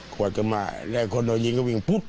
ขวดก็มาแล้วคนโดนยิงก็วิ่งปุ๊บ